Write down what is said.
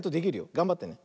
がんばってね。